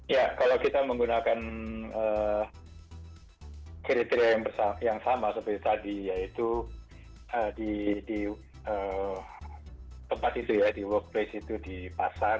ya kalau kita menggunakan kriteria yang sama seperti tadi yaitu di tempat itu ya di workplace itu di pasar